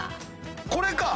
これか！